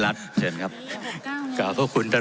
ไม่ได้เป็นประธานคณะกรุงตรี